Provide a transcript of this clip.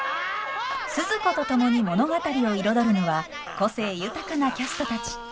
スズ子と共に物語を彩るのは個性豊かなキャストたち。